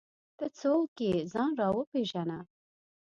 ته څوک یې ځان راوپېژنه!